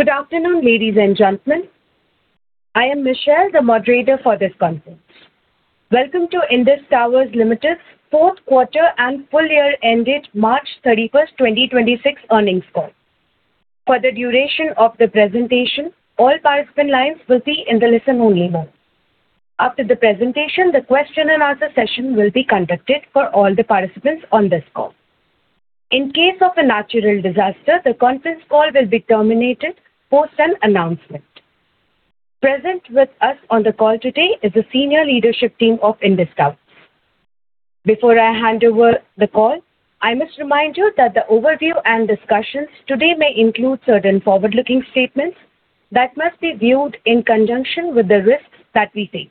Good afternoon, ladies and gentlemen. I am Michelle, the moderator for this conference. Welcome to Indus Towers Limited fourth quarter and full year ended March 31st, 2026 earnings call. For the duration of the presentation, all participant lines will be in the listen-only mode. After the presentation, the question and answer session will be conducted for all the participants on this call. In case of a natural disaster, the conference call will be terminated post an announcement. Present with us on the call today is the senior leadership team of Indus Towers. Before I hand over the call, I must remind you that the overview and discussions today may include certain forward-looking statements that must be viewed in conjunction with the risks that we take.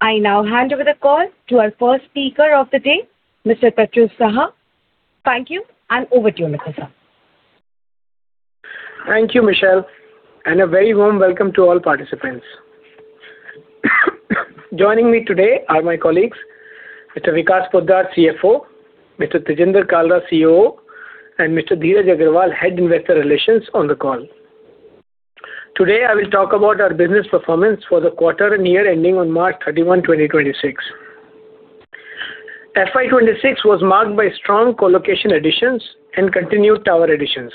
I now hand over the call to our first speaker of the day, Mr. Prachur Sah. Thank you, and over to you, Mr. Sah. Thank you, Michelle, and a very warm welcome to all participants. Joining me today are my colleagues, Mr. Vikas Poddar, CFO, Mr. Tejinder Kalra, COO, and Mr. Dheeraj Agarwal, Head Investor Relations, on the call. Today, I will talk about our business performance for the quarter and year ending on March 31, 2026. FY 2026 was marked by strong colocation additions and continued tower additions,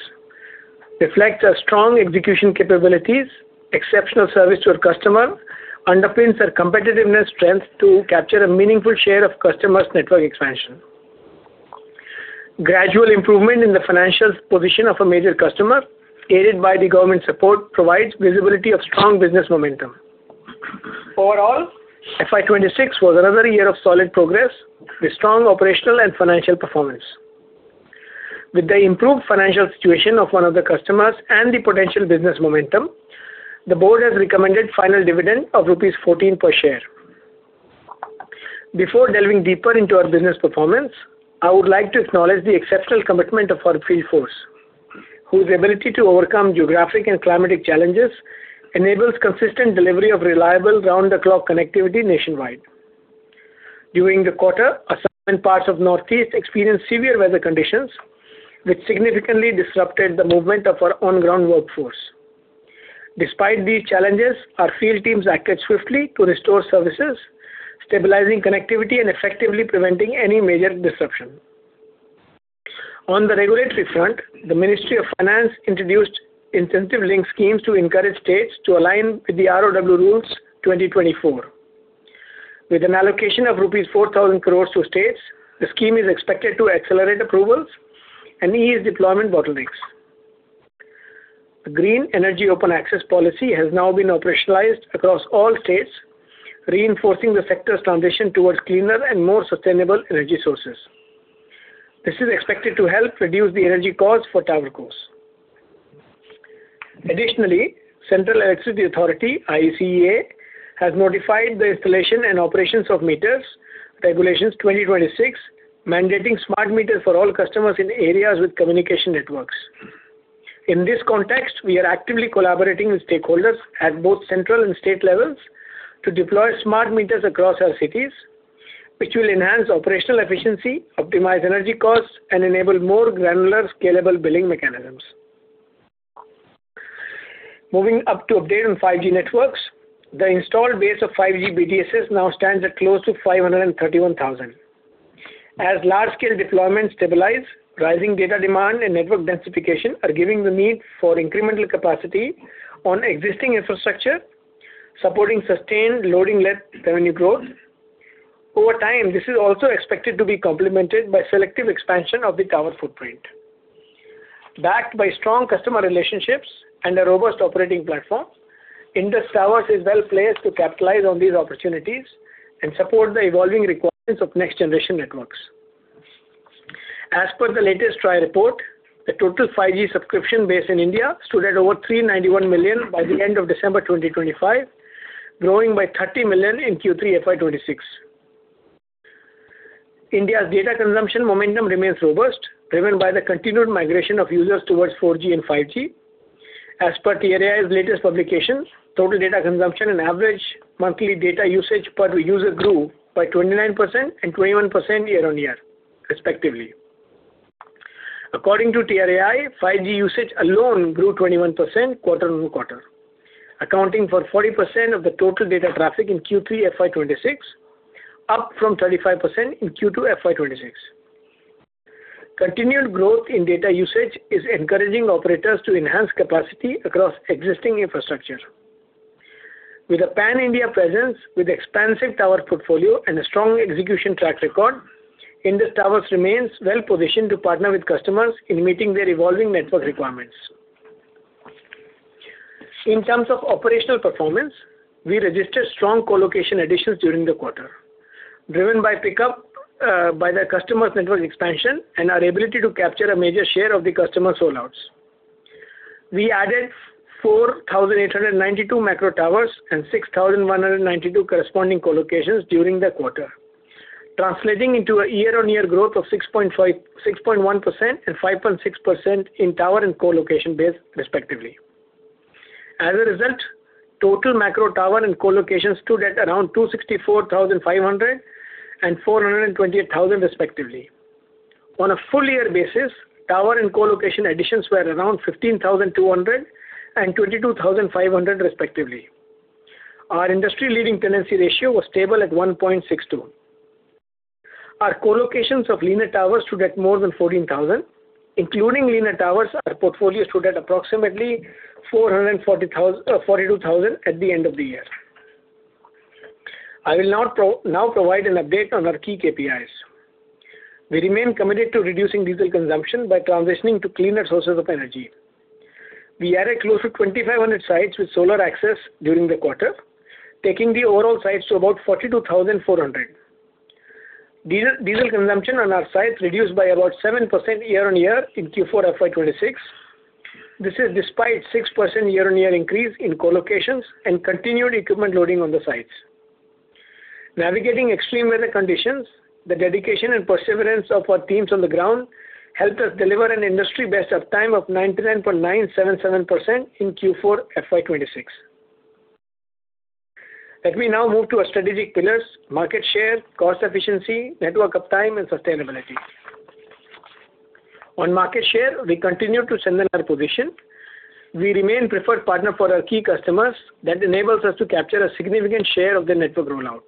reflects our strong execution capabilities, exceptional service to our customer, underpins our competitiveness strength to capture a meaningful share of customers' network expansion. Gradual improvement in the financial position of a major customer, aided by the government support, provides visibility of strong business momentum. Overall, FY 2026 was another year of solid progress with strong operational and financial performance. With the improved financial situation of one of the customers and the potential business momentum, the board has recommended final dividend of rupees 14 per share. Before delving deeper into our business performance, I would like to acknowledge the exceptional commitment of our field force, whose ability to overcome geographic and climatic challenges enables consistent delivery of reliable round-the-clock connectivity nationwide. During the quarter, assigned parts of Northeast experienced severe weather conditions, which significantly disrupted the movement of our on-ground workforce. Despite these challenges, our field teams acted swiftly to restore services, stabilizing connectivity and effectively preventing any major disruption. On the regulatory front, the Ministry of Finance introduced incentive-linked schemes to encourage states to align with the ROW Rules 2024. With an allocation of rupees 4,000 crores to states, the scheme is expected to accelerate approvals and ease deployment bottlenecks. The Green Energy Open Access policy has now been operationalized across all states, reinforcing the sector's transition towards cleaner and more sustainable energy sources. This is expected to help reduce the energy costs for tower costs. Additionally, Central Electricity Authority, CEA, has notified the Installation and Operations of Meters Regulations 2026, mandating smart meters for all customers in areas with communication networks. In this context, we are actively collaborating with stakeholders at both central and state levels to deploy smart meters across our cities, which will enhance operational efficiency, optimize energy costs, and enable more granular, scalable billing mechanisms. Moving up to update on 5G networks. The installed base of 5G BTSs now stands at close to 531,000. As large-scale deployments stabilize, rising data demand and network densification are giving the need for incremental capacity on existing infrastructure, supporting sustained loading-led revenue growth. Over time, this is also expected to be complemented by selective expansion of the tower footprint. Backed by strong customer relationships and a robust operating platform, Indus Towers is well-placed to capitalize on these opportunities and support the evolving requirements of next-generation networks. As per the latest TRAI report, the total 5G subscription base in India stood at over 391 million by the end of December 2025, growing by 30 million in Q3 FY 2026. India's data consumption momentum remains robust, driven by the continued migration of users towards 4G and 5G. As per TRAI's latest publications, total data consumption and average monthly data usage per user grew by 29% and 21% year-on-year, respectively. According to TRAI, 5G usage alone grew 21% quarter-on-quarter, accounting for 40% of the total data traffic in Q3 FY 2026, up from 35% in Q2 FY 2026. Continued growth in data usage is encouraging operators to enhance capacity across existing infrastructure. With a pan-India presence, with expansive tower portfolio and a strong execution track record, Indus Towers remains well-positioned to partner with customers in meeting their evolving network requirements. In terms of operational performance, we registered strong colocation additions during the quarter, driven by pickup by the customers' network expansion and our ability to capture a major share of the customer sellouts. We added 4,892 macro towers and 6,192 corresponding colocations during the quarter, translating into a year-on-year growth of 6.5%, 6.1%-5.6% in tower and colocation base, respectively. As a result, total macro tower and colocation stood at around 264,500 and 428,000, respectively. On a full year basis, tower and colocation additions were around 15,200 and 22,500, respectively. Our industry-leading tenancy ratio was stable at 1.62%. Our colocations of linear towers stood at more than 14,000. Including linear towers, our portfolio stood at approximately 442,000 at the end of the year. I will now provide an update on our key KPIs. We remain committed to reducing diesel consumption by transitioning to cleaner sources of energy. We added close to 2,500 sites with solar access during the quarter, taking the overall sites to about 42,400. Diesel consumption on our sites reduced by about 7% year-on-year in Q4 FY 2026. This is despite 6% year-on-year increase in co-locations and continued equipment loading on the sites. Navigating extreme weather conditions, the dedication and perseverance of our teams on the ground helped us deliver an industry-best uptime of 99.977% in Q4 FY 2026. Let me now move to our strategic pillars: market share, cost efficiency, network uptime and sustainability. On market share, we continue to strengthen our position. We remain preferred partner for our key customers that enables us to capture a significant share of the network rollout.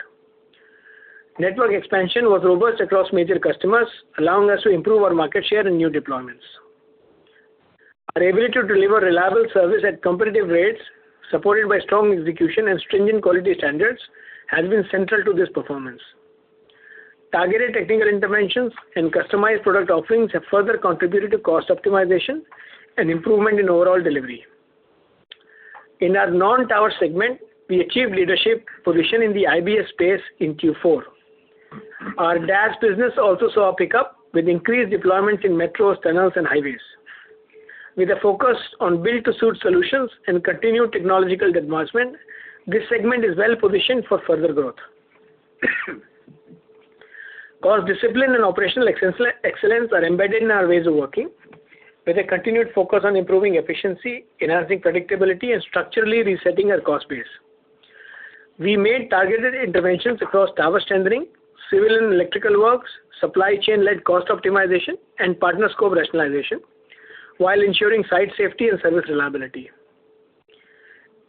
Network expansion was robust across major customers, allowing us to improve our market share in new deployments. Our ability to deliver reliable service at competitive rates, supported by strong execution and stringent quality standards, has been central to this performance. Targeted technical interventions and customized product offerings have further contributed to cost optimization and improvement in overall delivery. In our non-tower segment, we achieved leadership position in the IBS space in Q4. Our DAS business also saw a pickup with increased deployments in metros, tunnels, and highways. With a focus on build-to-suit solutions and continued technological advancement, this segment is well-positioned for further growth. Cost discipline and operational excellence are embedded in our ways of working, with a continued focus on improving efficiency, enhancing predictability, and structurally resetting our cost base. We made targeted interventions across tower tendering, civil and electrical works, supply chain-led cost optimization, and partner scope rationalization, while ensuring site safety and service reliability.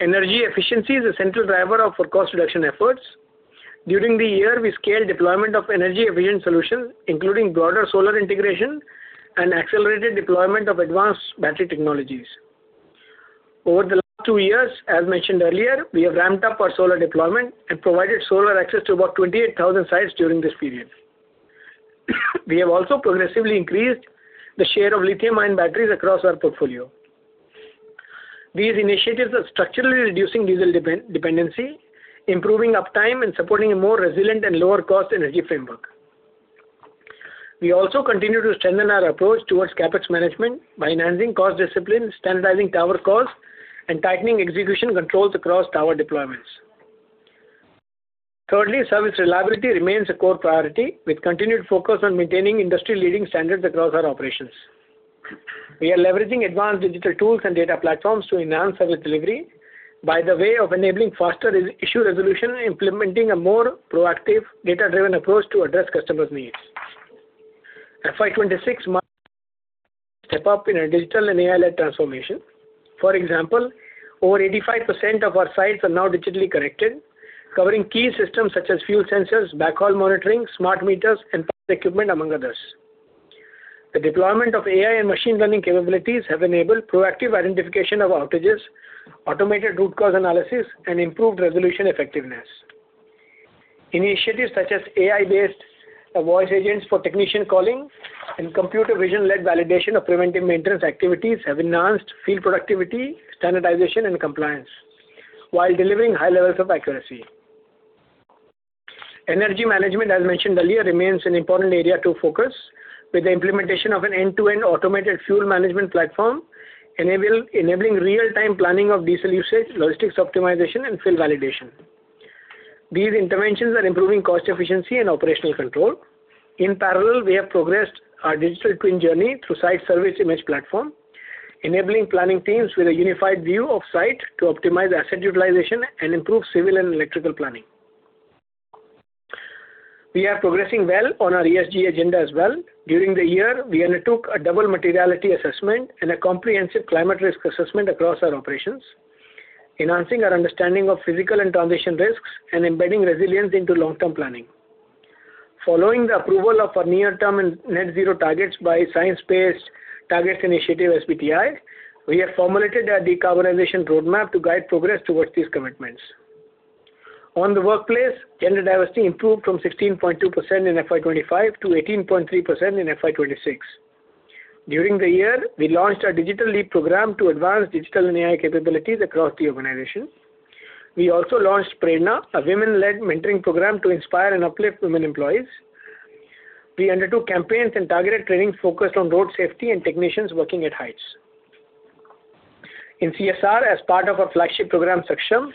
Energy efficiency is a central driver of our cost reduction efforts. During the year, we scaled deployment of energy efficient solutions, including broader solar integration and accelerated deployment of advanced battery technologies. Over the last two years, as mentioned earlier, we have ramped up our solar deployment and provided solar access to about 28,000 sites during this period. We have also progressively increased the share of lithium-ion batteries across our portfolio. These initiatives are structurally reducing diesel dependency, improving uptime, and supporting a more resilient and lower cost energy framework. We also continue to strengthen our approach towards CapEx management by enhancing cost discipline, standardizing tower costs, and tightening execution controls across tower deployments. Thirdly, service reliability remains a core priority with continued focus on maintaining industry-leading standards across our operations. We are leveraging advanced digital tools and data platforms to enhance service delivery by the way of enabling faster issue resolution, implementing a more proactive data-driven approach to address customers' needs. FY 2026 marks a step up in our digital and AI-led transformation. For example, over 85% of our sites are now digitally connected, covering key systems such as fuel sensors, backhaul monitoring, smart meters, and equipment, among others. The deployment of AI and machine learning capabilities have enabled proactive identification of outages, automated root cause analysis, and improved resolution effectiveness. Initiatives such as AI-based voice agents for technician calling and computer vision-led validation of preventive maintenance activities have enhanced field productivity, standardization, and compliance, while delivering high levels of accuracy. Energy management, as mentioned earlier, remains an important area to focus with the implementation of an end-to-end automated fuel management platform enabling real-time planning of diesel usage, logistics optimization, and field validation. These interventions are improving cost efficiency and operational control. In parallel, we have progressed our digital twin journey through site service image platform, enabling planning teams with a unified view of site to optimize asset utilization and improve civil and electrical planning. We are progressing well on our ESG agenda as well. During the year, we undertook a double materiality assessment and a comprehensive climate risk assessment across our operations, enhancing our understanding of physical and transition risks and embedding resilience into long-term planning. Following the approval of our near-term and net zero targets by Science Based Targets initiative, SBTi, we have formulated a decarbonization roadmap to guide progress towards these commitments. On the workplace, gender diversity improved from 16.2% in FY 2025 to 18.3% in FY 2026. During the year, we launched our Digital Leap program to advance digital and AI capabilities across the organization. We also launched Prerna, a women-led mentoring program to inspire and uplift women employees. We undertook campaigns and targeted training focused on road safety and technicians working at heights. In CSR, as part of our flagship program, Saksham,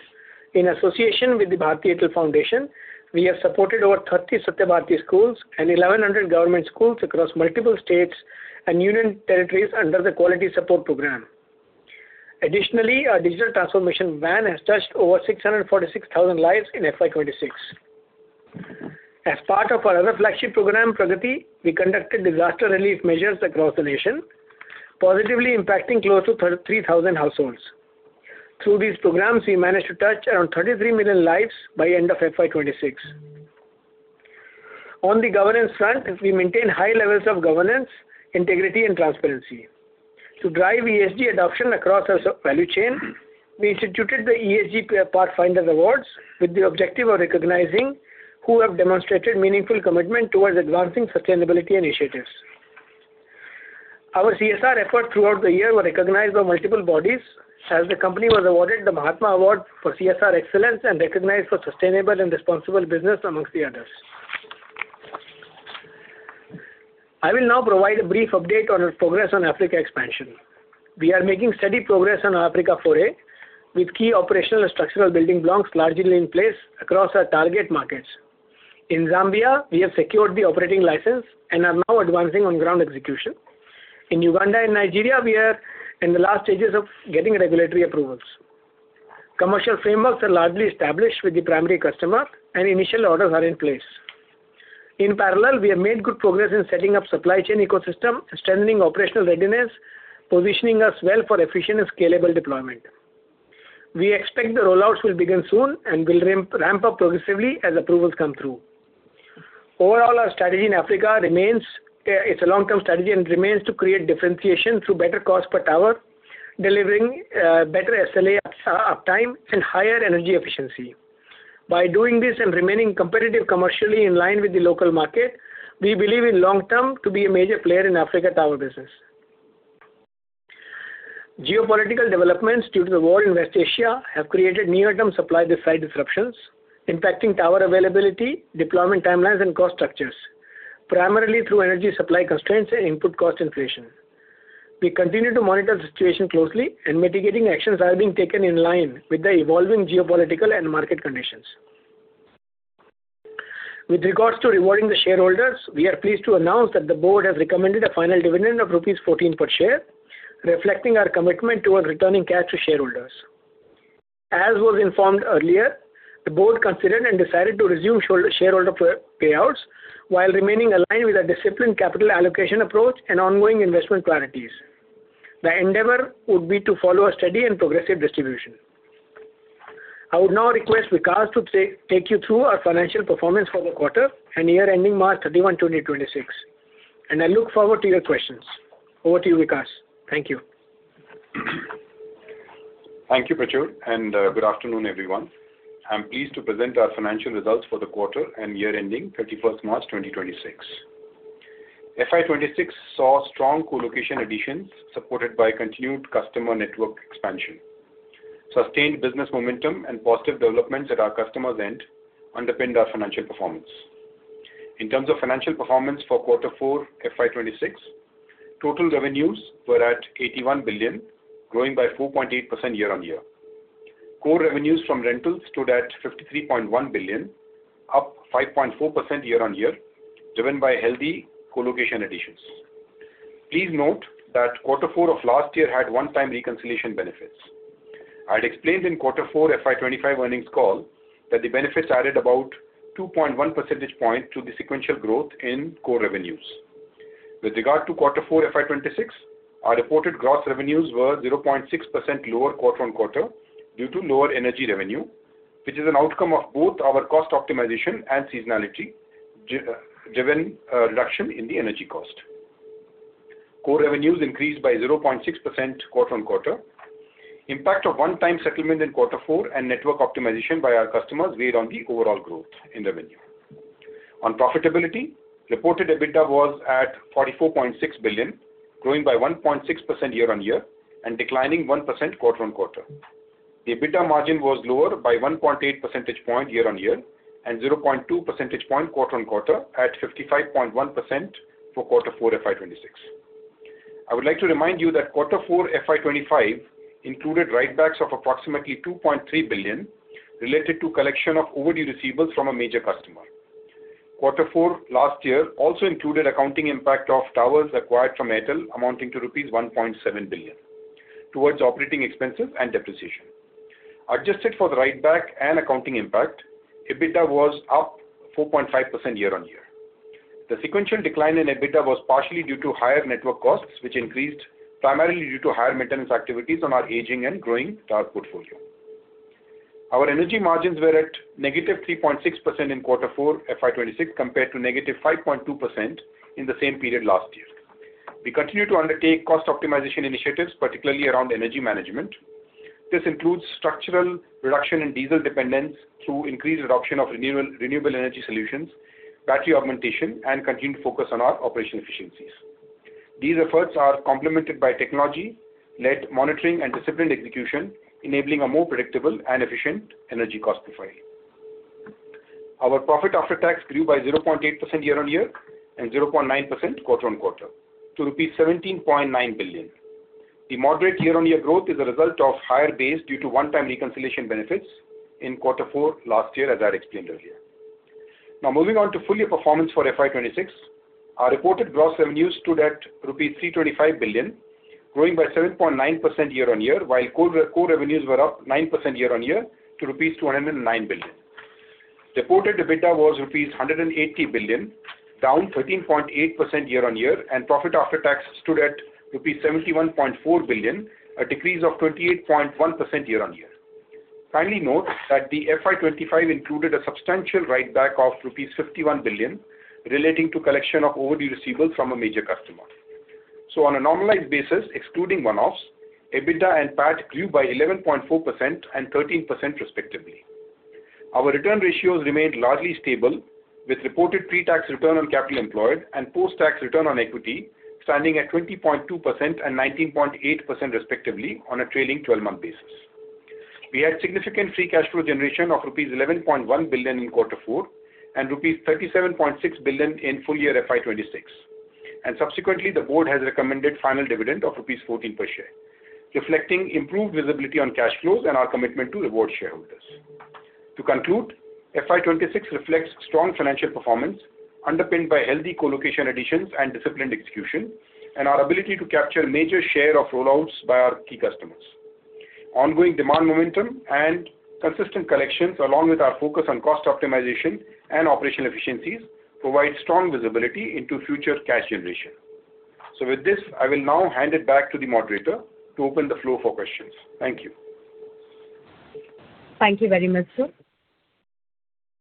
in association with the Bharti Airtel Foundation, we have supported over 30 Satya Bharti schools and 1,100 government schools across multiple states and union territories under the Quality Support Program. Additionally, our digital transformation van has touched over 646,000 lives in FY 2026. As part of our other flagship program, Pragati, we conducted disaster relief measures across the nation, positively impacting close to 3,000 households. Through these programs, we managed to touch around 33 million lives by end of FY 2026. On the governance front, we maintain high levels of governance, integrity and transparency. To drive ESG adoption across our sub-value chain, we instituted the ESG Pathfinders Awards with the objective of recognizing who have demonstrated meaningful commitment towards advancing sustainability initiatives. Our CSR efforts throughout the year were recognized by multiple bodies as the company was awarded the Mahatma Award for CSR excellence and recognized for sustainable and responsible business amongst the others. I will now provide a brief update on our progress on Africa expansion. We are making steady progress on our Africa foray, with key operational and structural building blocks largely in place across our target markets. In Zambia, we have secured the operating license and are now advancing on ground execution. In Uganda and Nigeria, we are in the last stages of getting regulatory approvals. Commercial frameworks are largely established with the primary customer, and initial orders are in place. In parallel, we have made good progress in setting up supply chain ecosystem and strengthening operational readiness, positioning us well for efficient and scalable deployment. We expect the rollouts will begin soon and will ramp up progressively as approvals come through. Overall, our strategy in Africa remains, it's a long-term strategy and remains to create differentiation through better cost per tower, delivering better SLA uptime, and higher energy efficiency. By doing this and remaining competitive commercially in line with the local market, we believe in long-term to be a major player in Africa tower business. Geopolitical developments due to the war in West Asia have created near-term supply-side disruptions, impacting tower availability, deployment timelines, and cost structures, primarily through energy supply constraints and input cost inflation. We continue to monitor the situation closely. Mitigating actions are being taken in line with the evolving geopolitical and market conditions. With regards to rewarding the shareholders, we are pleased to announce that the board has recommended a final dividend of rupees 14 per share, reflecting our commitment towards returning cash to shareholders. As was informed earlier, the board considered and decided to resume shareholder payouts while remaining aligned with a disciplined capital allocation approach and ongoing investment priorities. The endeavor would be to follow a steady and progressive distribution. I would now request Vikas to take you through our financial performance for the quarter and year ending March 31, 2026. I look forward to your questions. Over to you, Vikas. Thank you. Thank you, Prachur. Good afternoon, everyone. I'm pleased to present our financial results for the quarter and year ending 31st March 2026. FY 2026 saw strong co-location additions supported by continued customer network expansion. Sustained business momentum and positive developments at our customer's end underpinned our financial performance. In terms of financial performance for quarter four, FY 2026, total revenues were at 81 billion, growing by 4.8% year-on-year. Core revenues from rentals stood at 53.1 billion, up 5.4% year-on-year, driven by healthy co-location additions. Please note that quarter four of last year had one-time reconciliation benefits. I had explained in quarter four, FY 2025 earnings call that the benefits added about 2.1 percentage point to the sequential growth in core revenues. With regard to quarter four, FY 2026, our reported gross revenues were 0.6% lower quarter-on-quarter due to lower energy revenue, which is an outcome of both our cost optimization and seasonality, driven reduction in the energy cost. Core revenues increased by 0.6% quarter-on-quarter. Impact of one-time settlement in quarter four and network optimization by our customers weighed on the overall growth in revenue. On profitability, reported EBITDA was at 44.6 billion, growing by 1.6% year-on-year and declining 1% quarter-on-quarter. The EBITDA margin was lower by 1.8 percentage point year-on-year and 0.2 percentage point quarter-on-quarter at 55.1% for quarter four, FY 2026. I would like to remind you that quarter four, FY 2025 included write-backs of approximately 2.3 billion related to collection of overdue receivables from a major customer. Quarter four last year also included accounting impact of towers acquired from Airtel amounting to rupees 1.7 billion towards operating expenses and depreciation. Adjusted for the write-back and accounting impact, EBITDA was up 4.5% year-on-year. The sequential decline in EBITDA was partially due to higher network costs, which increased primarily due to higher maintenance activities on our aging and growing tower portfolio. Our energy margins were at negative 3.6% in quarter four, FY 2026, compared to -5.2% in the same period last year. We continue to undertake cost optimization initiatives, particularly around energy management. This includes structural reduction in diesel dependence through increased adoption of renewable energy solutions, battery augmentation, and continued focus on our operation efficiencies. These efforts are complemented by technology-led monitoring and disciplined execution, enabling a more predictable and efficient energy cost profile. Our profit after tax grew by 0.8% year-on-year and 0.9% quarter-on-quarter to rupees 17.9 billion. The moderate year-on-year growth is a result of higher base due to one-time reconciliation benefits in quarter four last year, as I had explained earlier. Moving on to full year performance for FY 2026. Our reported gross revenues stood at rupees 325 billion, growing by 7.9% year-on-year, while core revenues were up 9% year-on-year to rupees 209 billion. Reported EBITDA was rupees 180 billion, down 13.8% year-on-year, and profit after tax stood at rupees 71.4 billion, a decrease of 28.1% year-on-year. Finally, note that the FY 2025 included a substantial write back of rupees 51 billion relating to collection of overdue receivables from a major customer. On a normalized basis, excluding one-offs, EBITDA and PAT grew by 11.4% and 13% respectively. Our return ratios remained largely stable, with reported pre-tax return on capital employed and post-tax return on equity standing at 20.2% and 19.8% respectively on a trailing 12-month basis. We had significant free cash flow generation of rupees 11.1 billion in quarter four and rupees 37.6 billion in full year FY 2026. Subsequently, the board has recommended final dividend of rupees 14 per share, reflecting improved visibility on cash flows and our commitment to reward shareholders. To conclude, FY 2026 reflects strong financial performance underpinned by healthy colocation additions and disciplined execution, and our ability to capture a major share of roll-outs by our key customers. Ongoing demand momentum and consistent collections, along with our focus on cost optimization and operational efficiencies, provide strong visibility into future cash generation. With this, I will now hand it back to the moderator to open the floor for questions. Thank you. Thank you very much, sir.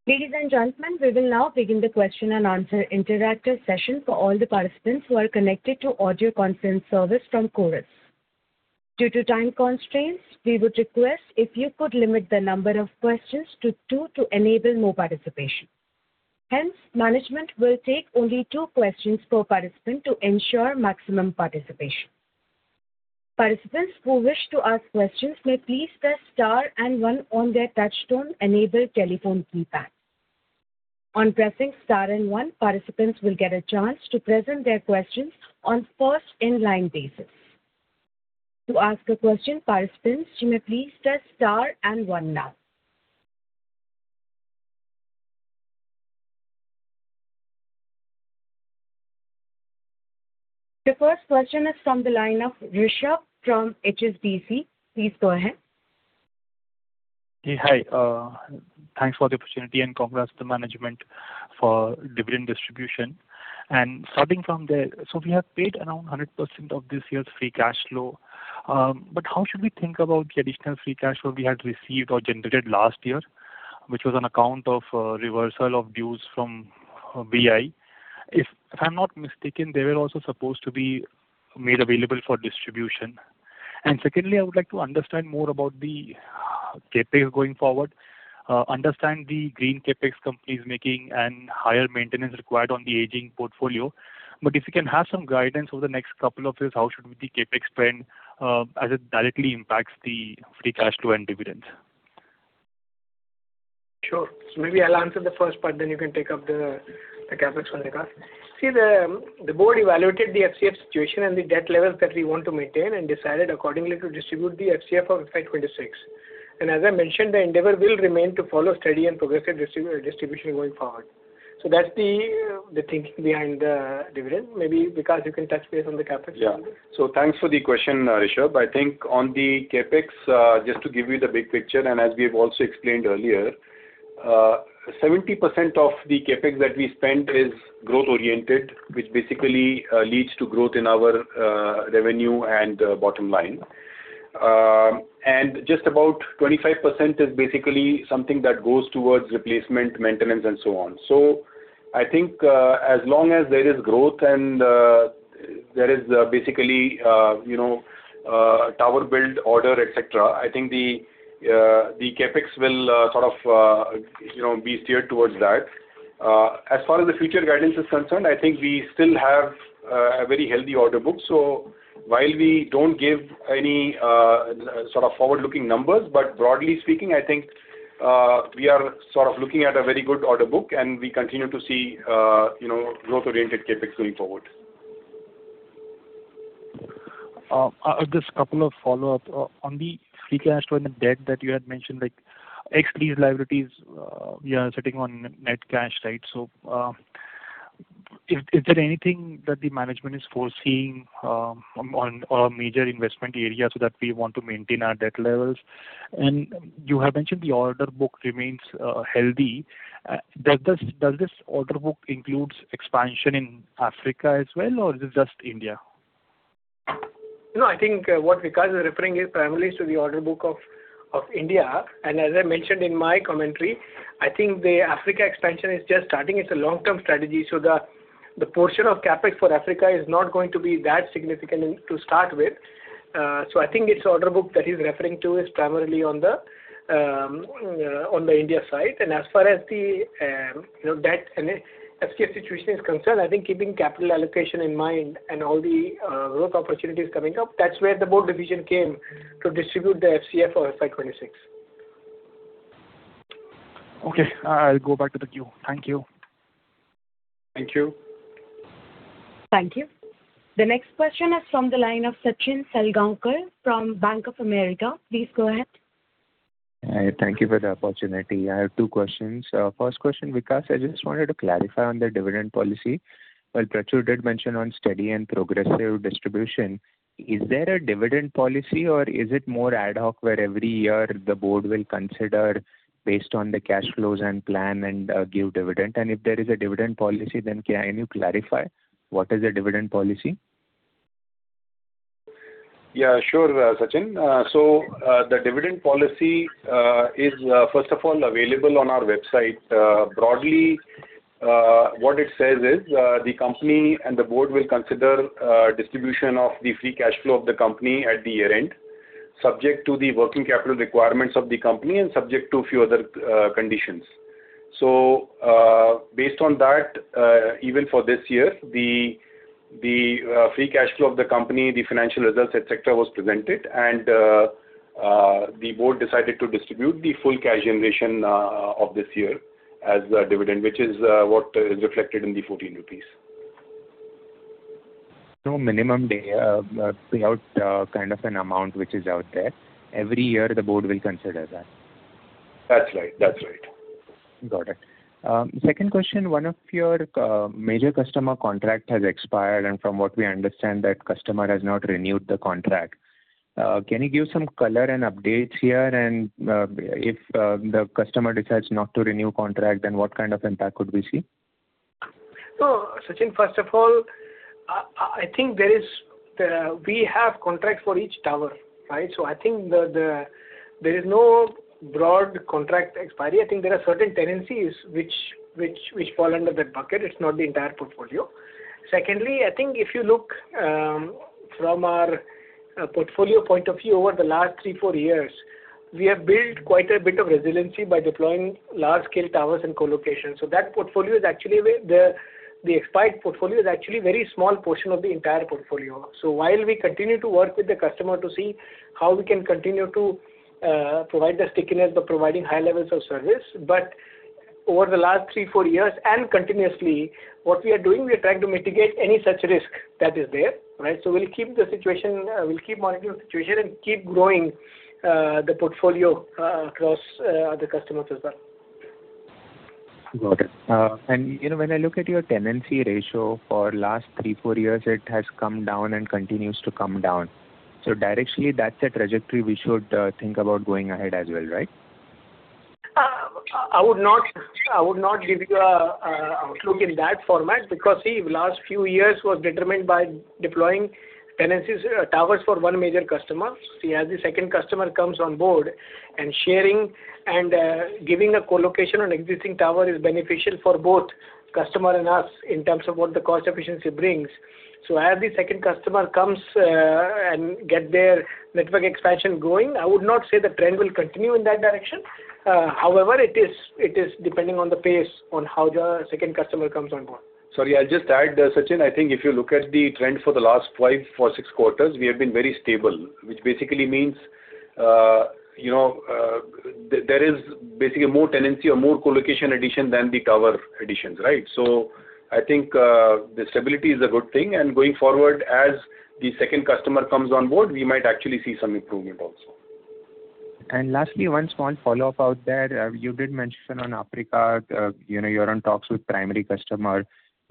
Ladies and gentlemen, we will now begin the question and answer interactive session for all the participants who are connected to audio conference service from Chorus. Due to time constraints, we would request if you could limit the number of questions to two to enable more participation. Management will take only two questions per participant to ensure maximum participation. Participants who wish to ask questions may please press star and one on their touchtone enabled telephone keypad. On pressing star and one, participants will get a chance to present their questions on first-in line basis. To ask a question, participants, you may please press star and one now. The first question is from the line of Rishabh from HSBC. Please go ahead. Yeah. Hi. Thanks for the opportunity and congrats to management for dividend distribution. We have paid around 100% of this year's free cash flow. How should we think about the additional free cash flow we had received or generated last year, which was on account of reversal of dues from VI. If I'm not mistaken, they were also supposed to be made available for distribution. Secondly, I would like to understand more about the CapEx going forward. Understand the green CapEx company is making and higher maintenance required on the aging portfolio. If you can have some guidance over the next couple of years, how should be the CapEx spend as it directly impacts the free cash flow and dividends? Sure. Maybe I'll answer the first part, then you can take up the CapEx one, Vikas. The board evaluated the FCF situation and the debt levels that we want to maintain and decided accordingly to distribute the FCF of FY 2026. As I mentioned, the endeavor will remain to follow steady and progressive distribution going forward. That's the thinking behind the dividend. Maybe, Vikas, you can touch base on the CapEx one. Yeah. Thanks for the question, Rishabh. I think on the CapEx, just to give you the big picture, and as we have also explained earlier, 70% of the CapEx that we spend is growth oriented, which basically leads to growth in our revenue and bottom line. And just about 25% is basically something that goes towards replacement, maintenance, and so on. I think, as long as there is growth and there is, basically, you know, tower build order, et cetera, I think the CapEx will sort of, you know, be steered towards that. As far as the future guidance is concerned, I think we still have a very healthy order book. While we don't give any sort of forward-looking numbers, broadly speaking, I think, we are sort of looking at a very good order book, and we continue to see, you know, growth-oriented CapEx going forward. Just couple of follow-up. On the free cash flow and debt that you had mentioned, like ex these liabilities, we are sitting on net cash, right? Is there anything that the management is foreseeing on major investment area so that we want to maintain our debt levels? You have mentioned the order book remains healthy. Does this order book includes expansion in Africa as well, or is it just India? I think what Vikas Poddar is referring is primarily to the order book of India. As I mentioned in my commentary, I think the Africa expansion is just starting. It's a long-term strategy, the portion of CapEx for Africa is not going to be that significant to start with. I think its order book that he's referring to is primarily on the India side. As far as the, you know, debt and FCF situation is concerned, I think keeping capital allocation in mind and all the growth opportunities coming up, that's where the board decision came to distribute the FCF for FY 2026. Okay. I'll go back to the queue. Thank you. Thank you Thank you. The next question is from the line of Sachin Salgaonkar from Bank of America. Please go ahead. Hi. Thank you for the opportunity. I have two questions. First question, Vikas, I just wanted to clarify on the dividend policy. While Prachur did mention on steady and progressive distribution, is there a dividend policy or is it more ad hoc, where every year the board will consider based on the cash flows and plan and give dividend? If there is a dividend policy, then can you clarify what is the dividend policy? Yeah, sure, Sachin. The dividend policy is first of all available on our website. Broadly, what it says is the company and the board will consider distribution of the free cash flow of the company at the year-end, subject to the working capital requirements of the company and subject to a few other conditions. Based on that, even for this year, the free cash flow of the company, the financial results, et cetera, was presented and the board decided to distribute the full cash generation of this year as a dividend, which is what is reflected in the 14 rupees. No minimum day payout kind of an amount which is out there. Every year the board will consider that. That's right. That's right. Got it. Second question. One of your major customer contract has expired, and from what we understand, that customer has not renewed the contract. Can you give some color and updates here? If the customer decides not to renew contract, then what kind of impact would we see? Sachin, first of all, I think there is, we have contracts for each tower, right? I think there is no broad contract expiry. I think there are certain tenancies which fall under that bucket. It's not the entire portfolio. Secondly, I think if you look from our portfolio point of view, over the last three, four years, we have built quite a bit of resiliency by deploying large scale towers and co-location. That portfolio is actually The expired portfolio is actually very small portion of the entire portfolio. While we continue to work with the customer to see how we can continue to provide the stickiness by providing high levels of service. Over the last three, four years and continuously, what we are doing, we are trying to mitigate any such risk that is there, right? We'll keep the situation, we'll keep monitoring the situation and keep growing the portfolio across other customers as well. Got it. You know, when I look at your tenancy ratio for last three, four years, it has come down and continues to come down. Directionally, that's a trajectory we should think about going ahead as well, right? I would not give you an outlook in that format because last few years was determined by deploying tenancies, towers for one major customer. As the second customer comes on board and sharing and giving a co-location on existing tower is beneficial for both customer and us in terms of what the cost efficiency brings. As the second customer comes and get their network expansion going, I would not say the trend will continue in that direction. However, it is depending on the pace on how the second customer comes on board. Sorry, I'll just add, Sachin, I think if you look at the trend for the last five or six quarters, we have been very stable, which basically means, you know, there is basically more tenancy or more co-location addition than the tower additions, right? I think, the stability is a good thing. Going forward, as the second customer comes on board, we might actually see some improvement also. Lastly, one small follow-up out there. You did mention on Africa, you know, you're in talks with primary customer.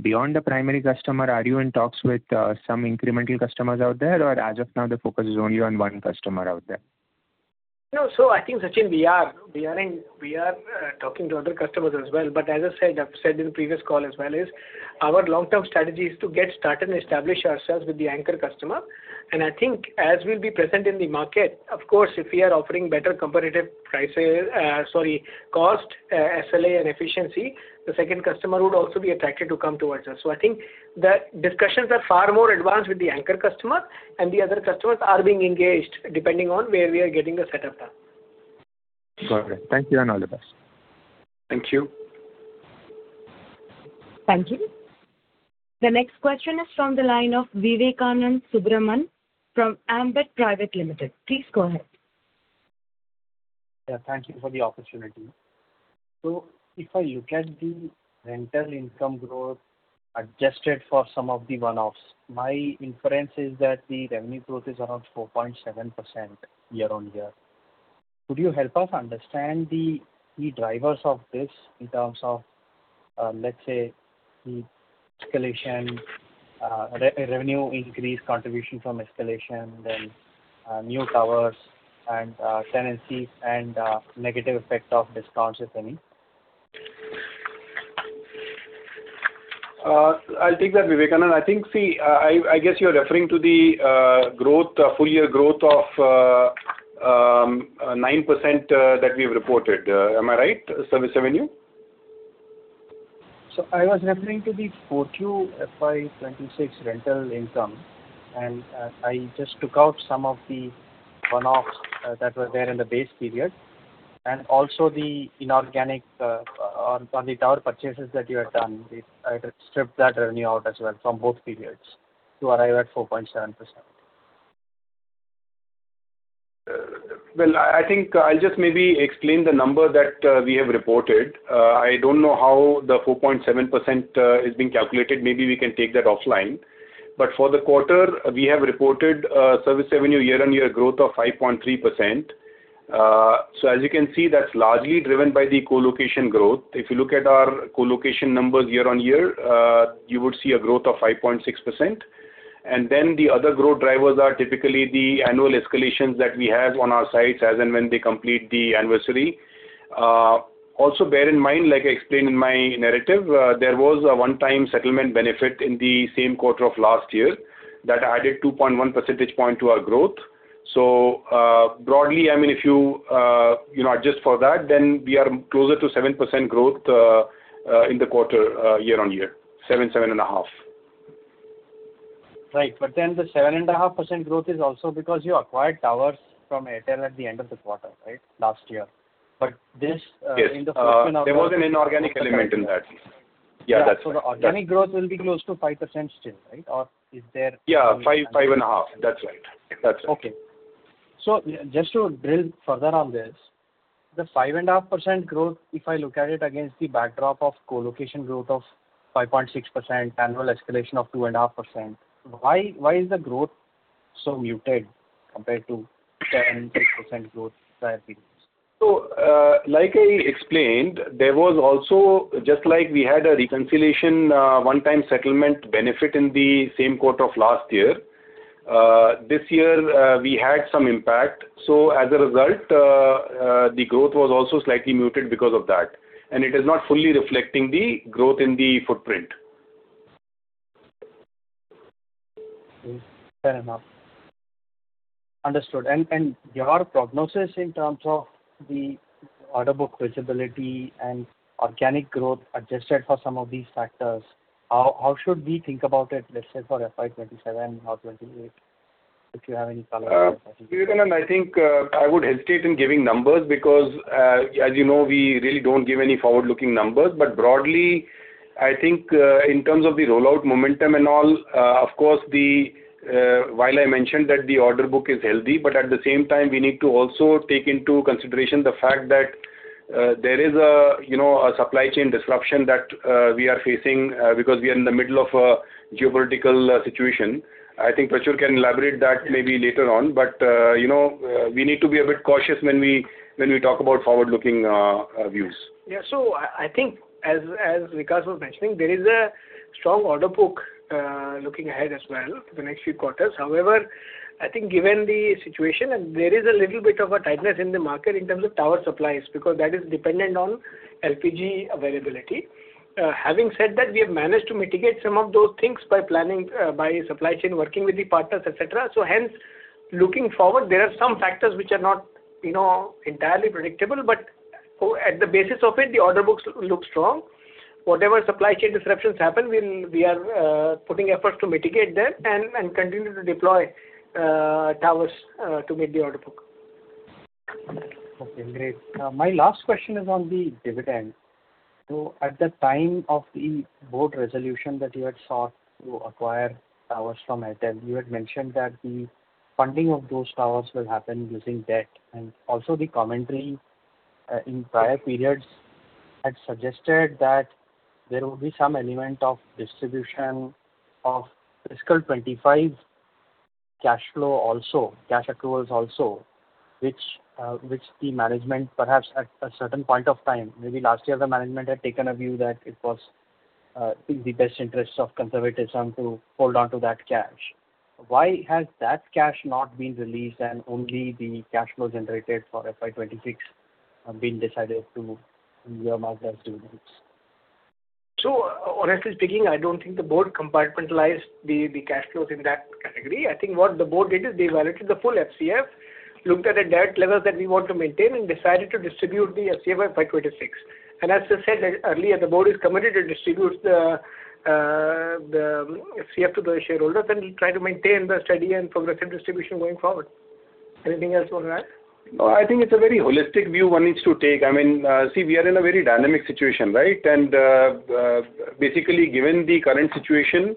Beyond the primary customer, are you in talks with some incremental customers out there? As of now the focus is only on one customer out there? No. I think, Sachin, we are talking to other customers as well. As I said, I've said in the previous call as well, is our long-term strategy is to get started and establish ourselves with the anchor customer. I think as we'll be present in the market, of course, if we are offering better competitive prices, sorry, cost, SLA and efficiency, the second customer would also be attracted to come towards us. I think the discussions are far more advanced with the anchor customer, and the other customers are being engaged depending on where we are getting the set up done. Got it. Thank you and all the best. Thank you. Thank you. The next question is from the line of Vivekananda Subramanian from Ambit Private Limited. Please go ahead. Yeah, thank you for the opportunity. If I look at the rental income growth adjusted for some of the one-offs, my inference is that the revenue growth is around 4.7% year-on-year. Could you help us understand the key drivers of this in terms of, let's say the escalation, revenue increase contribution from escalation, then new towers and tenancies and negative effect of discounts, if any? I'll take that, Vivekananda. I think, see, I guess you're referring to the growth, full year growth of 9% that we've reported. Am I right? Service revenue. I was referring to the 4Q FY 2026 rental income, and I just took out some of the one-offs that were there in the base period, and also the inorganic on the tower purchases that you had done. I stripped that revenue out as well from both periods to arrive at 4.7%. Well, I think I'll just maybe explain the number that we have reported. I don't know how the 4.7% is being calculated. Maybe we can take that offline. For the quarter, we have reported service revenue year-on-year growth of 5.3%. As you can see, that's largely driven by the colocation growth. If you look at our colocation numbers year-on-year, you would see a growth of 5.6%. The other growth drivers are typically the annual escalations that we have on our sites as and when they complete the anniversary. Also bear in mind, like I explained in my narrative, there was a one-time settlement benefit in the same quarter of last year that added 2.1 percentage point to our growth. Broadly, I mean, if you know, adjust for that, then we are closer to 7% growth in the quarter, year-on-year, 7%, 7.5%. Right. But then, the 7.5% growth is also because you acquired towers from Airtel at the end of the quarter, right? Last year. Yes In the first quarter now. There was an inorganic element in that. Yeah, that's right. Yeah. the organic growth will be close to 5% still, right? Yeah, 5.5%. That's right. That's right. Okay. Just to drill further on this, the 5.5% growth, if I look at it against the backdrop of colocation growth of 5.6%, annual escalation of 2.5%, why is the growth so muted compared to 10%, 6% growth prior periods? Like I explained, there was also, just like we had a reconciliation, one-time settlement benefit in the same quarter of last year, this year, we had some impact. As a result, the growth was also slightly muted because of that, and it is not fully reflecting the growth in the footprint. Fair enough. Understood. And your prognosis in terms of the order book visibility and organic growth adjusted for some of these factors, how should we think about it, let's say for FY 2027 or 2028, if you have any color on that? Vivekananda Subramanian, I think, I would hesitate in giving numbers because, as you know, we really don't give any forward-looking numbers. Broadly, I think, in terms of the rollout momentum and all, of course, the, while I mentioned that the order book is healthy, but at the same time, we need to also take into consideration the fact that, there is a, you know, a supply chain disruption that, we are facing, because we are in the middle of a geopolitical situation. I think Prachur can elaborate that maybe later on. You know, we need to be a bit cautious when we talk about forward-looking views. I think as Vikas was mentioning, there is a strong order book looking ahead as well for the next few quarters. However, I think given the situation, and there is a little bit of a tightness in the market in terms of tower supplies, because that is dependent on LPG availability. Having said that, we have managed to mitigate some of those things by planning, by supply chain, working with the partners, et cetera. Hence, looking forward, there are some factors which are not, you know, entirely predictable, but at the basis of it, the order books look strong. Whatever supply chain disruptions happen, we are putting efforts to mitigate them and continue to deploy towers to meet the order book. Okay, great. My last question is on the dividend. At the time of the board resolution that you had sought to acquire towers from Airtel, you had mentioned that the funding of those towers will happen using debt. Also the commentary in prior periods had suggested that there will be some element of distribution of fiscal 2025 cash flow also, cash accruals also, which the management perhaps at a certain point of time, maybe last year the management had taken a view that it was in the best interest of conservatism to hold on to that cash. Why has that cash not been released and only the cash flow generated for FY 2026 been decided to earmark as dividends? Honestly speaking, I don't think the board compartmentalized the cash flows in that category. I think what the board did is they evaluated the full FCF, looked at the debt levels that we want to maintain, and decided to distribute the FCF by 2026. As I said earlier, the board is committed to distribute the FCF to the shareholders, and we try to maintain the steady and progressive distribution going forward. Anything else, Vivekananda Subramanian? No, I think it's a very holistic view one needs to take. I mean, see, we are in a very dynamic situation, right? Basically, given the current situation,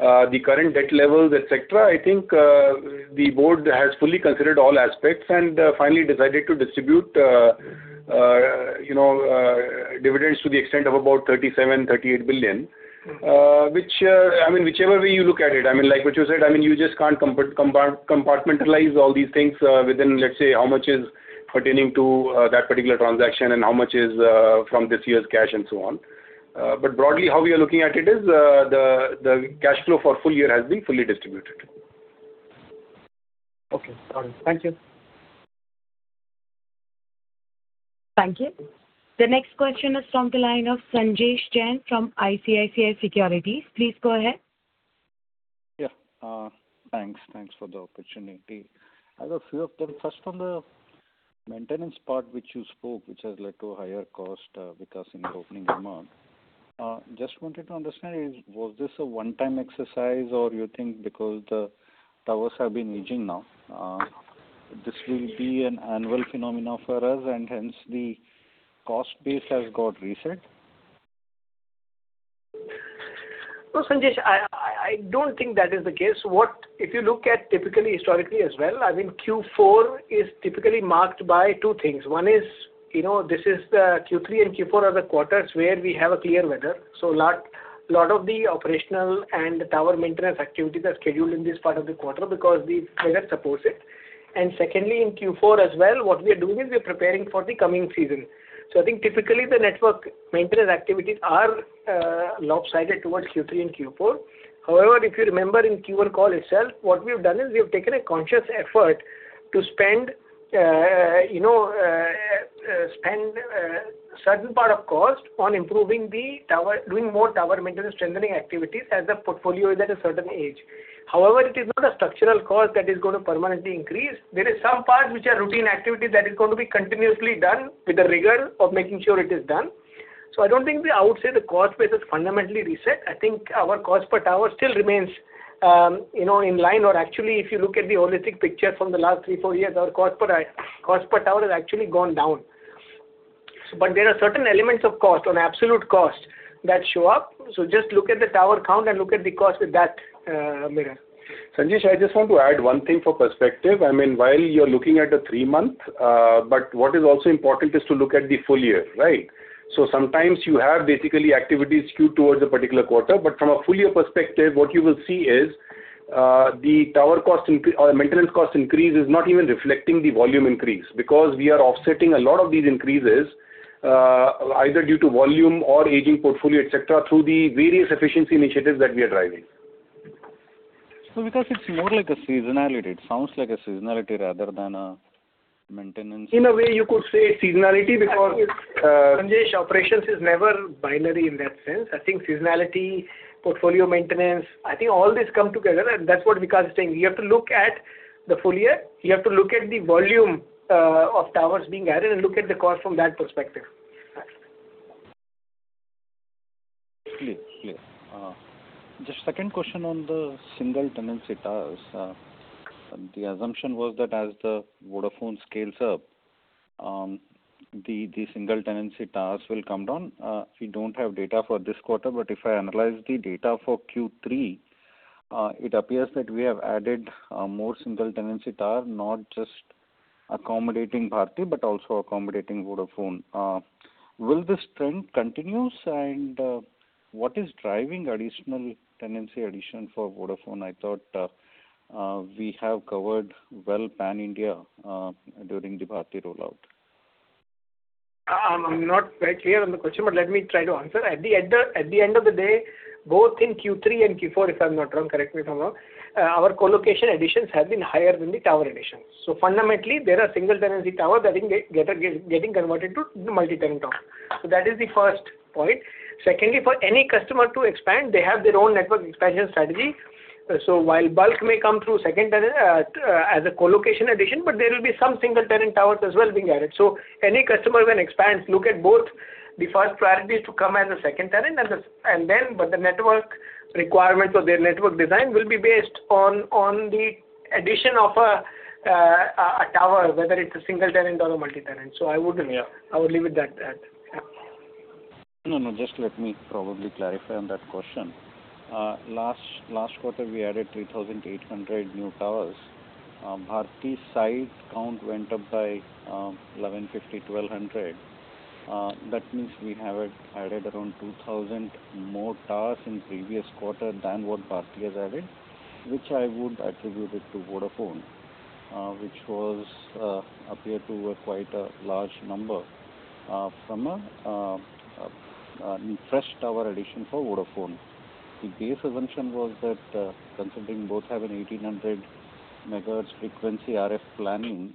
the current debt levels, et cetera, I think, the board has fully considered all aspects and, finally decided to distribute, you know, dividends to the extent of about 37 billion, 38 billion. Mm-hmm. Which, whichever way you look at it, you just can't compartmentalize all these things within, let's say, how much is pertaining to that particular transaction and how much is from this year's cash and so on. Broadly, how we are looking at it is, the cash flow for full year has been fully distributed. Okay, got it. Thank you. Thank you. The next question is from the line of Sanjesh Jain from ICICI Securities. Please go ahead. Thanks. Thanks for the opportunity. I have a few of them. First, on the maintenance part which you spoke, which has led to a higher cost, Vikas, in your opening remark. Just wanted to understand, was this a one-time exercise or you think because the towers have been aging now, this will be an annual phenomenon for us and hence the cost base has got reset? No, Sanjesh, I don't think that is the case. If you look at typically historically as well, I mean, Q4 is typically marked by two things. One is, you know, this is the Q3 and Q4 are the quarters where we have a clear weather. So lot of the operational and tower maintenance activities are scheduled in this part of the quarter because the weather supports it. Secondly, in Q4 as well, what we are doing is we are preparing for the coming season. I think typically the network maintenance activities are lopsided towards Q3 and Q4. If you remember in Q1 call itself, what we have done is we have taken a conscious effort to spend, you know, certain part of cost on improving the tower, doing more tower maintenance strengthening activities as the portfolio is at a certain age. It is not a structural cost that is gonna permanently increase. There are some parts which are routine activities that is going to be continuously done with the rigor of making sure it is done. I don't think we. I would say the cost base is fundamentally reset. I think our cost per tower still remains, you know, in line. Actually, if you look at the holistic picture from the last three, four years, our cost per tower has actually gone down. There are certain elements of cost, on absolute cost, that show up. Just look at the tower count and look at the cost with that mirror. Sanjesh, I just want to add one thing for perspective. I mean, while you are looking at a three-month, but what is also important is to look at the full year, right? Sometimes you have basically activities skewed towards a particular quarter. From a full year perspective, what you will see is the tower cost or maintenance cost increase is not even reflecting the volume increase because we are offsetting a lot of these increases, either due to volume or aging portfolio, et cetera, through the various efficiency initiatives that we are driving. Because it's more like a seasonality, it sounds like a seasonality rather than a maintenance- In a way, you could say seasonality because, Sanjesh, operations is never binary in that sense. I think seasonality, portfolio maintenance, I think all this come together, and that's what Vikas is saying. You have to look at the full year. You have to look at the volume, of towers being added and look at the cost from that perspective. Clear. Clear. Just second question on the single-tenancy towers. The assumption was that as Vodafone scales up, the single-tenancy towers will come down. We don't have data for this quarter, but if I analyze the data for Q3, it appears that we have added more single-tenancy tower, not just accommodating Bharti, but also accommodating Vodafone. Will this trend continues, and what is driving additional tenancy addition for Vodafone? I thought we have covered well pan-India during the Bharti rollout. I'm not very clear on the question. Let me try to answer. At the end of the day, both in Q3 and Q4, if I'm not wrong, correct me if I'm wrong, our co-location additions have been higher than the tower additions. Fundamentally, there are single-tenancy towers that are getting converted to multi-tenant towers. That is the first point. Secondly, for any customer to expand, they have their own network expansion strategy. While bulk may come through second as a co-location addition, there will be some single-tenant towers as well being added. Any customer when expands look at both. The first priority is to come as a second tenant and then, the network requirements or their network design will be based on the addition of a tower, whether it's a single-tenant or a multi-tenant. Yeah. I would leave it that, at. Yeah. No, no. Just let me probably clarify on that question. Last quarter, we added 3,800 new towers. Bharti site count went up by 1,150, 1,200. That means we added around 2,000 more towers in previous quarter than what Bharti has added, which I would attribute it to Vodafone, which was appear to be quite a large number from a fresh tower addition for Vodafone. The base assumption was that considering both have an 1,800 MHz frequency RF planning.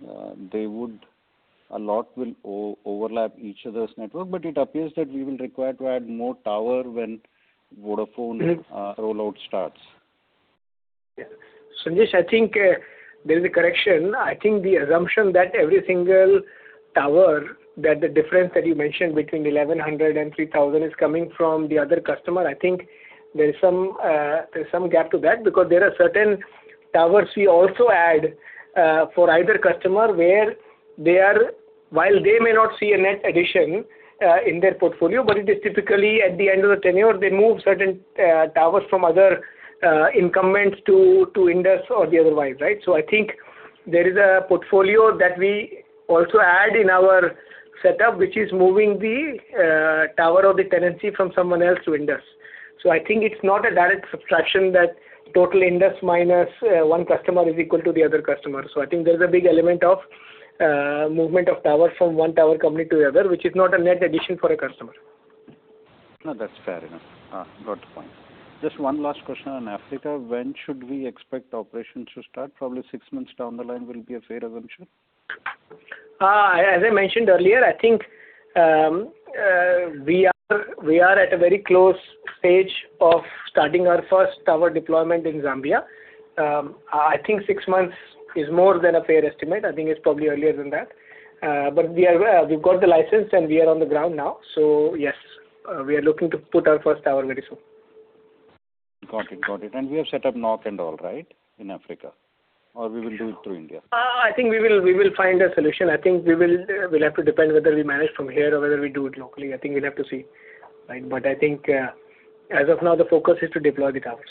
A lot will overlap each other's network, but it appears that we will require to add more tower when Vodafone- Mm-hmm. rollout starts. Sanjesh, I think there is a correction. I think the assumption that every single tower, that the difference that you mentioned between 1,100 and 3,000 is coming from the other customer, I think there is some gap to that because there are certain towers we also add for either customer. While they may not see a net addition in their portfolio, it is typically at the end of the tenure, they move certain towers from other incumbents to Indus or the other way, right? I think it is not a direct subtraction that total Indus minus one customer is equal to the other customer. I think there is a big element of movement of tower from one tower company to the other, which is not a net addition for a customer. No, that's fair enough. Got the point. Just one last question on Africa. When should we expect operations to start? Probably six months down the line will be a fair assumption? As I mentioned earlier, I think, we are at a very close stage of starting our first tower deployment in Zambia. I think six months is more than a fair estimate. I think it's probably earlier than that. We are, we've got the license and we are on the ground now. Yes, we are looking to put our first tower very soon. Got it. Got it. We have set up north and all, right, in Africa? We will do it through India? I think we will find a solution. I think we will have to depend whether we manage from here or whether we do it locally. I think we'll have to see. Right. I think, as of now, the focus is to deploy the towers.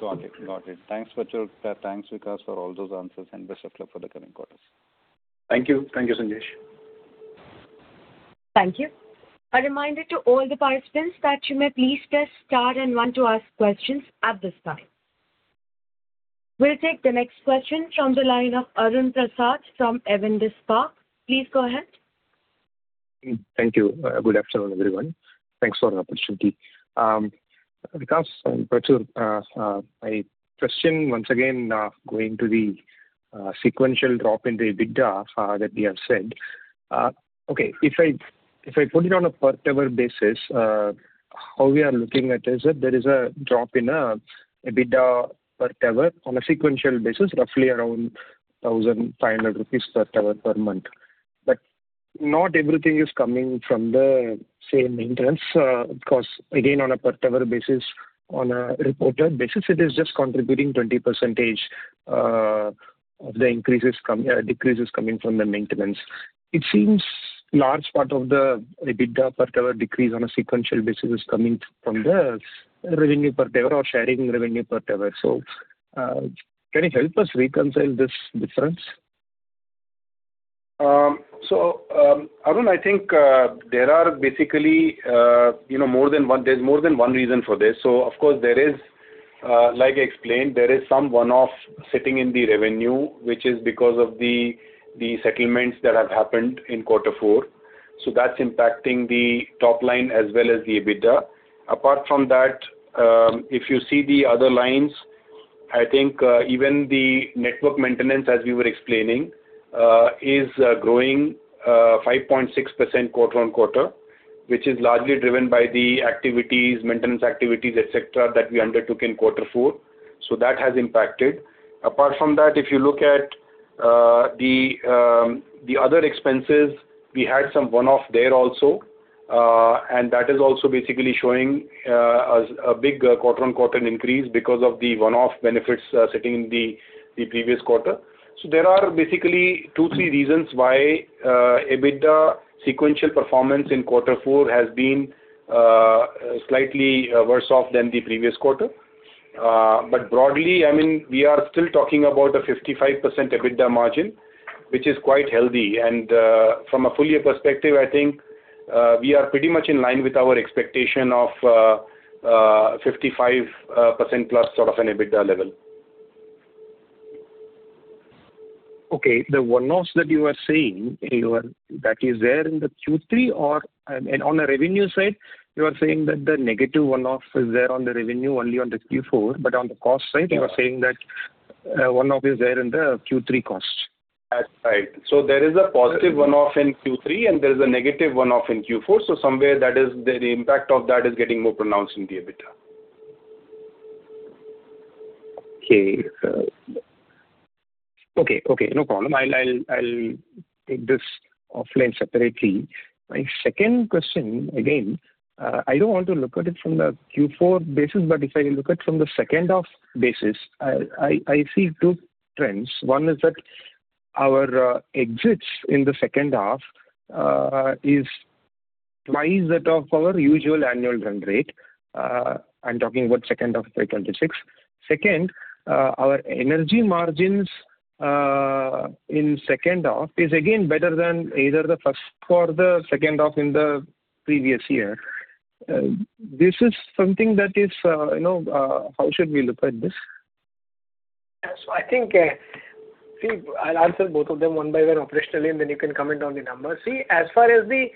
Got it. Got it. Thanks, Prachur. Thanks, Vikas, for all those answers, and best of luck for the coming quarters. Thank you. Thank you, Sanjesh. Thank you. A reminder to all the participants that you may please press star and one to ask questions at this time. We'll take the next question from the line of Arun Prasath from Avendus Capital. Please go ahead. Thank you. Good afternoon, everyone. Thanks for the opportunity. Vikas and Prachur, my question once again, going to the sequential drop in the EBITDA that we have said. Okay, if I, if I put it on a per tower basis, how we are looking at is that there is a drop in EBITDA per tower on a sequential basis, roughly around 1,500 rupees per tower per month. Not everything is coming from the same maintenance, 'cause again, on a per tower basis, on a reported basis, it is just contributing 30 percentage of the decreases coming from the maintenance. It seems large part of the EBITDA per tower decrease on a sequential basis is coming from the revenue per tower or sharing revenue per tower. Can you help us reconcile this difference? Arun, I think, you know, there's more than one reason for this. Of course there is, like I explained, there is some one-off sitting in the revenue, which is because of the settlements that have happened in quarter four. That's impacting the top line as well as the EBITDA. Apart from that, if you see the other lines, I think, even the network maintenance, as we were explaining, is growing 5.6% quarter-on-quarter, which is largely driven by the activities, maintenance activities, et cetera, that we undertook in quarter four. That has impacted. Apart from that, if you look at the other expenses, we had some one-off there also. That is also basically showing a big quarter-on-quarter increase because of the one-off benefits sitting in the previous quarter. There are basically two, three reasons why EBITDA sequential performance in quarter four has been slightly worse off than the previous quarter. Broadly, I mean, we are still talking about a 55% EBITDA margin, which is quite healthy. From a full year perspective, I think we are pretty much in line with our expectation of 55%+ sort of an EBITDA level. Okay. The one-offs that you are saying, you are saying that is there in the Q3 or. On a revenue side, you are saying that the negative one-off is there on the revenue only on the Q4, but on the cost side. Yeah You are saying that, one-off is there in the Q3 costs. That's right. There is a positive one-off in Q3, and there is a negative one-off in Q4. Somewhere the impact of that is getting more pronounced in the EBITDA. Okay. Okay, okay, no problem. I'll take this offline separately. My second question, again, I don't want to look at it from the Q4 basis, but if I look at from the second half basis, I see two trends. One is that our exits in the second half is twice that of our usual annual run rate. I'm talking about second half of 2026. Second, our energy margins in second half is again better than either the first or the second half in the previous year. This is something that is, you know, how should we look at this? Yeah. I think, see, I'll answer both of them one by one operationally, and then you can comment on the numbers. See, as far as the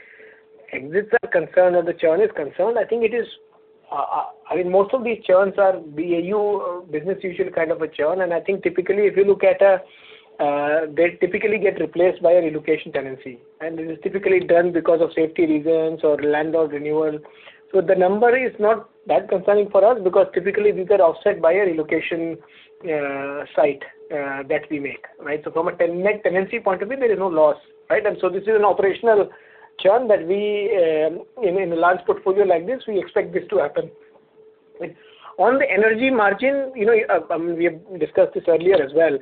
exits are concerned or the churn is concerned, I think it is, I mean, most of these churns are BAU, business as usual kind of a churn. I think typically, if you look at, they typically get replaced by a relocation tenancy, and it is typically done because of safety reasons or landlord renewal. The number is not that concerning for us because typically these are offset by a relocation site that we make, right? From a net tenancy point of view, there is no loss, right? This is an operational churn that we, in a large portfolio like this, we expect this to happen. On the energy margin, you know, we have discussed this earlier as well.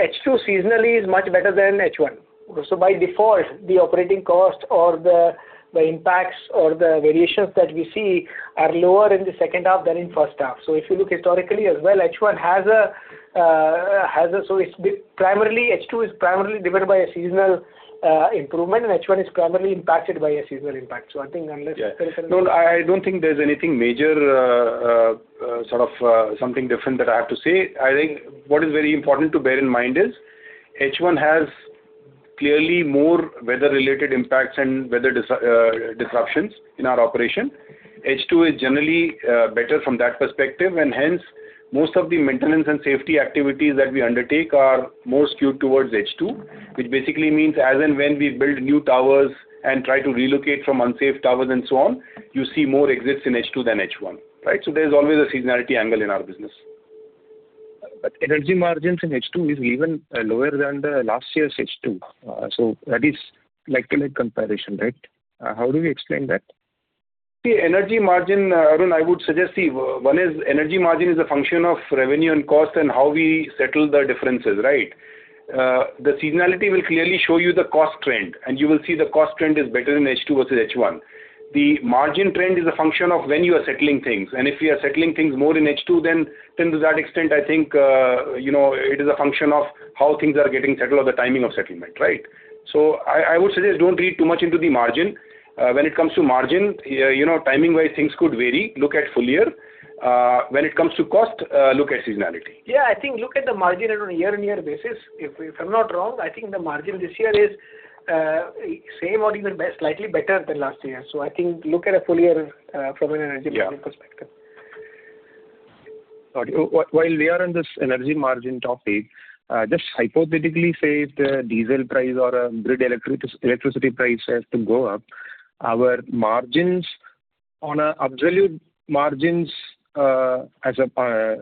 H2 seasonally is much better than H1. By default, the operating cost or the impacts or the variations that we see are lower in the second half than in first half. If you look historically H2 is primarily driven by a seasonal improvement, and H1 is primarily impacted by a seasonal impact so I think unless. Yeah. No, I don't think there's anything major, something different that I have to say. I think what is very important to bear in mind is H1 has clearly more weather-related impacts and weather disruptions in our operation. H2 is generally better from that perspective, and hence most of the maintenance and safety activities that we undertake are more skewed towards H2, which basically means as and when we build new towers and try to relocate from unsafe towers and so on, you see more exits in H2 than H1, right? There's always a seasonality angle in our business. Energy margins in H2 is even lower than the last year's H2. That is like to like comparison, right? How do we explain that? See, energy margin, Arun, I would suggest, see, one is energy margin is a function of revenue and cost and how we settle the differences, right? The seasonality will clearly show you the cost trend, and you will see the cost trend is better in H2 versus H1. The margin trend is a function of when you are settling things, and if you are settling things more in H2, then to that extent, I think, you know, it is a function of how things are getting settled or the timing of settlement, right? So I would suggest don't read too much into the margin. When it comes to margin, you know, timing-wise, things could vary. Look at full year. When it comes to cost, look at seasonality. Yeah, I think look at the margin on a year-on-year basis. If I'm not wrong, I think the margin this year is same or even slightly better than last year. I think look at a full year from an energy margin perspective. Yeah. While we are on this energy margin topic, just hypothetically, if the diesel price or grid electricity price has to go up, our margins on a absolute margins, as a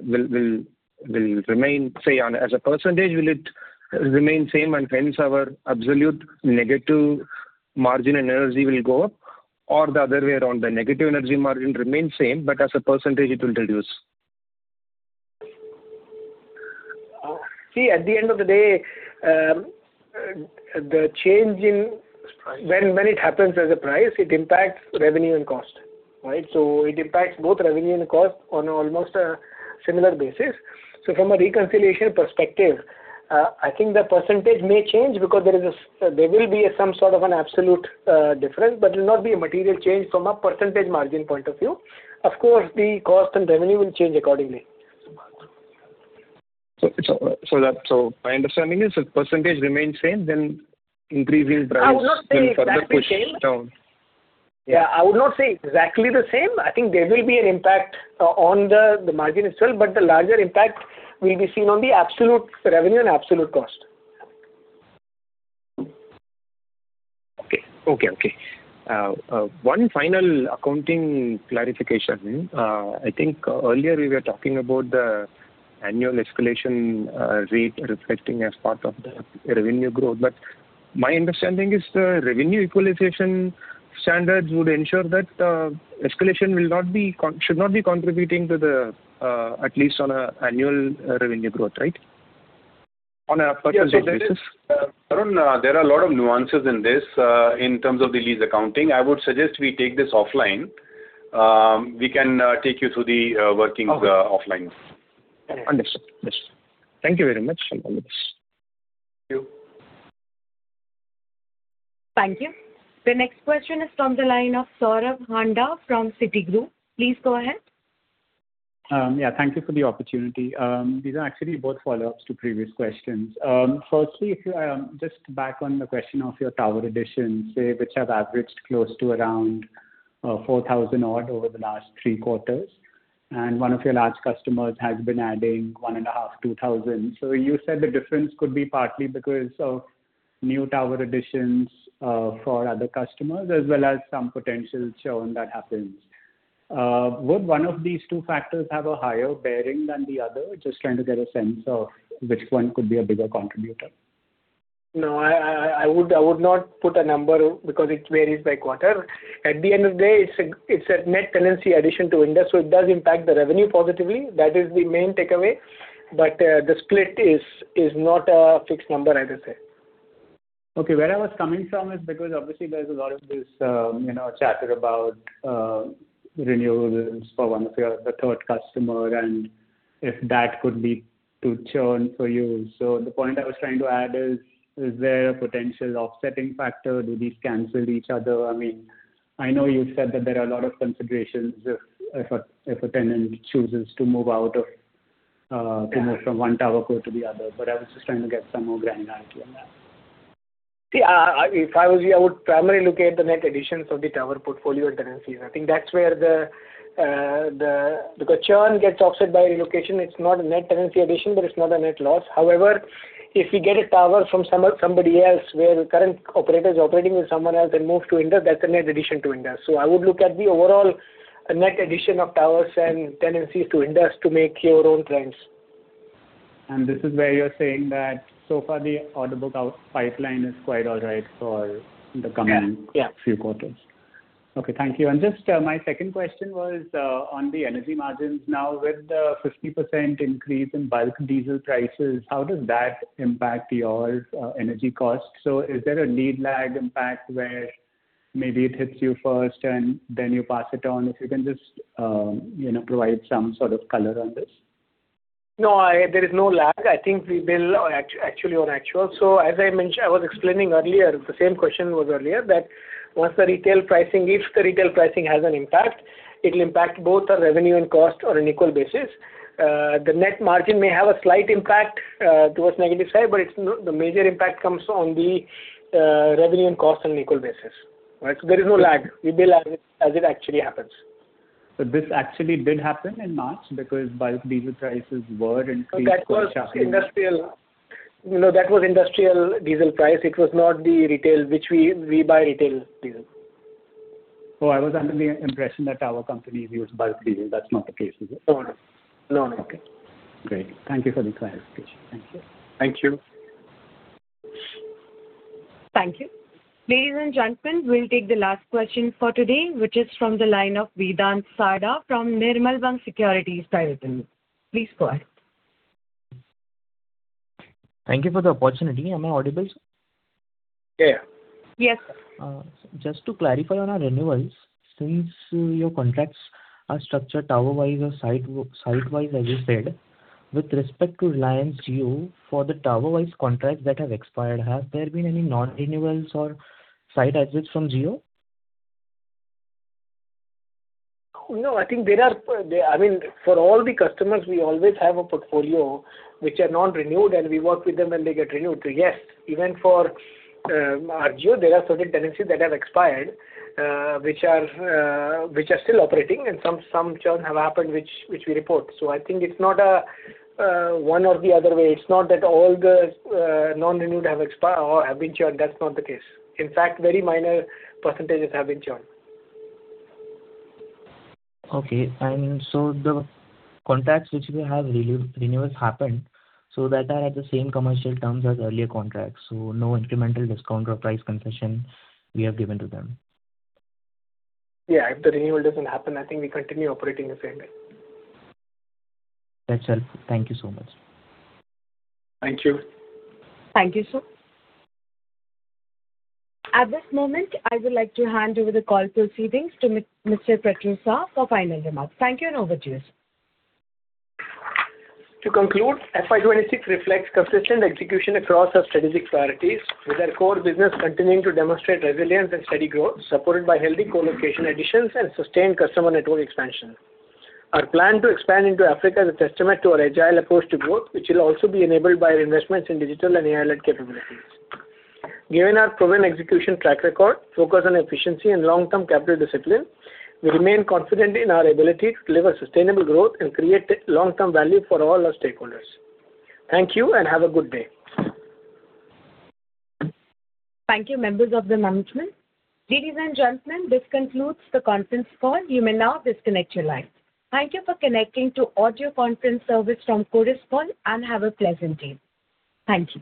percentage, will it remain same and hence our absolute negative margin and energy will go up? The other way around, the negative energy margin remains same, but as a percentage it will reduce. See, at the end of the day, the change in- Price When it happens as a price, it impacts revenue and cost, right? It impacts both revenue and cost on almost a similar basis. From a reconciliation perspective, I think the percentage may change because there will be some sort of an absolute difference, but it will not be a material change from a percentage margin point of view. Of course, the cost and revenue will change accordingly. That, so my understanding is if percentage remains same, then increase in price will further push down. I would not say exactly same. Yeah. Yeah, I would not say exactly the same. I think there will be an impact on the margin itself, but the larger impact will be seen on the absolute revenue and absolute cost. Okay, okay. One final accounting clarification. I think earlier we were talking about the annual escalation rate reflecting as part of the revenue growth. My understanding is the revenue equalization standards would ensure that escalation should not be contributing to the, at least on an annual revenue growth, right? On a particular basis. Yeah. This is Arun, there are a lot of nuances in this in terms of the lease accounting. I would suggest we take this offline. We can take you through the workings offline. Okay. Understood. Yes. Thank you very much. Thank you. Thank you. The next question is from the line of Saurabh Handa from Citigroup. Please go ahead. Thank you for the opportunity. These are actually both follow-ups to previous questions. Firstly, just back on the question of your tower additions, say, which have averaged close to around 4,000 odd over the last three quarters, and one of your large customers has been adding 1,500, 2,000. You said the difference could be partly because of new tower additions for other customers, as well as some potential churn that happens. Would one of these two factors have a higher bearing than the other? Just trying to get a sense of which one could be a bigger contributor. No, I would not put a number because it varies by quarter. At the end of the day, it's a net tenancy addition to Indus, so it does impact the revenue positively. That is the main takeaway. The split is not a fixed number I'd say. Okay. Where I was coming from is because obviously there's a lot of this, you know, chatter about renewals for one of your, the third customer, and if that could lead to churn for you. The point I was trying to add is there a potential offsetting factor? Do these cancel each other? I mean, I know you said that there are a lot of considerations if a tenant chooses to move out of, to move from one tower core to the other. I was just trying to get some more granularity on that. See, I If I was you, I would primarily look at the net additions of the tower portfolio tenancies. I think that's where churn gets offset by relocation. It's not a net tenancy addition, but it's not a net loss. However, if we get a tower from somebody else where the current operator is operating with someone else and moves to Indus, that's a net addition to Indus. I would look at the overall net addition of towers and tenancies to Indus to make your own trends. This is where you're saying that so far the order book out pipeline is quite all right for the coming. Yeah.... few quarters. Okay, thank you. My second question was on the energy margins. Now, with the 50% increase in bulk diesel prices, how does that impact your energy costs? Is there a lead lag impact where maybe it hits you first and then you pass it on? If you can just, you know, provide some sort of color on this. No, there is no lag. I think we bill actually on actual. As I mentioned, I was explaining earlier, the same question was earlier, that once the retail pricing, if the retail pricing has an impact, it will impact both our revenue and cost on an equal basis. The net margin may have a slight impact towards negative side, but the major impact comes on the revenue and cost on equal basis, right? There is no lag. We bill as it actually happens. This actually did happen in March because bulk diesel prices were increased quite sharply. That was industrial. No, that was industrial diesel price. It was not the retail, which we buy retail diesel. Oh, I was under the impression that tower companies use bulk diesel. That's not the case, is it? No, no. No, no. Okay, great. Thank you for the clarification. Thank you. Thank you. Thank you. Ladies and gentlemen, we'll take the last question for today, which is from the line of Vedant Sada from Nirmal Bang Securities Private Limited. Please go ahead. Thank you for the opportunity. Am I audible, sir? Yeah, yeah. Yes. Just to clarify on our renewals, since your contracts are structured tower-wise or site-wise, as you said, with respect to Reliance Jio for the tower-wise contracts that have expired, has there been any non-renewals or site exits from Jio? No, I mean, for all the customers, we always have a portfolio which are non-renewed, and we work with them, and they get renewed. Yes, even for Jio, there are certain tenancies that have expired, which are still operating and some churn have happened which we report. I think it's not one or the other way. It's not that all the non-renewed have expired or have been churned. That's not the case. In fact, very minor percentages have been churned. Okay. The contracts which may have renewals happened, so that are at the same commercial terms as earlier contracts. No incremental discount or price concession we have given to them. Yeah, if the renewal doesn't happen, I think we continue operating the same way. That's helpful. Thank you so much. Thank you. Thank you, sir. At this moment, I would like to hand over the call proceedings to Mr. Prachur Sah for final remarks. Thank you and over to you, sir. To conclude, FY 2026 reflects consistent execution across our strategic priorities, with our core business continuing to demonstrate resilience and steady growth, supported by healthy colocation additions and sustained customer network expansion. Our plan to expand into Africa is a testament to our agile approach to growth, which will also be enabled by our investments in digital and AI-led capabilities. Given our proven execution track record, focus on efficiency and long-term capital discipline, we remain confident in our ability to deliver sustainable growth and create long-term value for all our stakeholders. Thank you and have a good day. Thank you, members of the management. Ladies and gentlemen, this concludes the conference call. You may now disconnect your lines. Thank you.